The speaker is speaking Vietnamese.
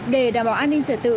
để đảm bảo an ninh trật tự